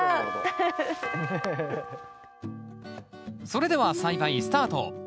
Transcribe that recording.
それでは栽培スタート。